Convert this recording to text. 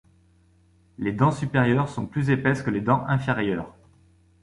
Les dents supérieures sont plus épaisses que les dents inférieures.